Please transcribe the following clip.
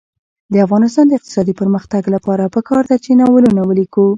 د افغانستان د اقتصادي پرمختګ لپاره پکار ده چې ناولونه ولیکو.